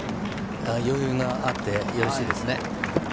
余裕があってよろしいですね。